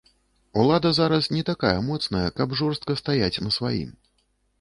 Улада зараз не такая моцная, каб жорстка стаяць на сваім.